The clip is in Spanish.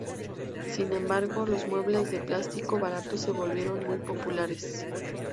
Sin embargo, los muebles de plástico barato se volvieron muy populares.